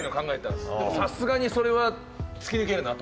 でもさすがにそれは突き抜けるなと。